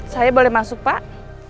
saya boleh masuk pak